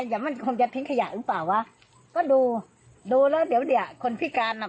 เดี๋ยวมันคงจะทิ้งขยะหรือเปล่าวะก็ดูดูแล้วเดี๋ยวเดี๋ยวคนพิการอ่ะ